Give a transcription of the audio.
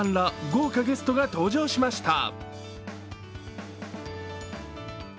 豪華ゲストが登場しました。